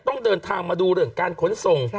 ต้องเดินทางมาดูเรื่องการขนส่ง